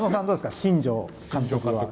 新庄監督は。